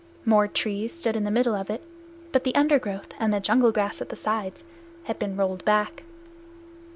More trees stood in the middle of it, but the undergrowth and the jungle grass at the sides had been rolled back.